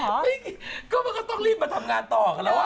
ไม่กินเขาก็ต้องรีบมาทำงานต่ออีกแล้ววะ